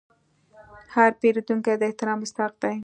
هر پیرودونکی د احترام مستحق دی.